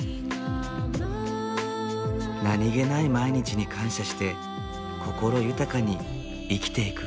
何気ない毎日に感謝して心豊かに生きていく。